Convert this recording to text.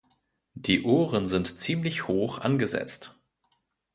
Die Ohren sind ziemlich hoch angesetzt.